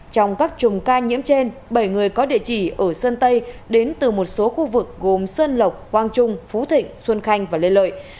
trong các chùm ca nhiễm trên bảy người có địa chỉ ở sơn tây đến từ một số khu vực gồm sơn lộc quang trung phú thịnh xuân khanh và lê lợi